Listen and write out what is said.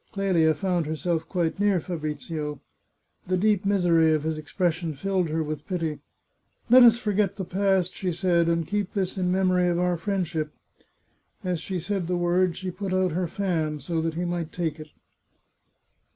Clelia found herself quite near Fa brizio. The deep misery of his expression filled her with pity. " Let us forget the past," she said, " and keep this in memory of our friendship." As she said the word she put out her fan, so that he might take it.